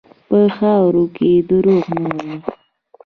په خاوره کې دروغ نه وي.